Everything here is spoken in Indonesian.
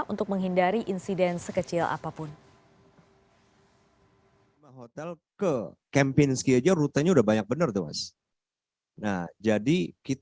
untuk menghindari insidensi